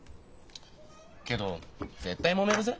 けど絶対もめるぜ。